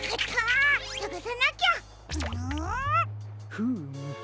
フーム。